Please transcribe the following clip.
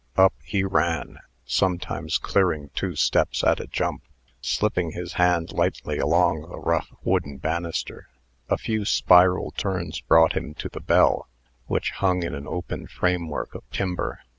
Up he ran, sometimes clearing two steps at a jump, slipping his hand lightly along the rough wooden banister. A few spiral turns brought him to the bell, which hung in an open framework of timber.